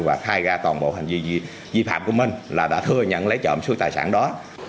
và khai ra toàn bộ hành vi dị phạm của mình là đã thừa nhận lấy trộm xuất tài sản đó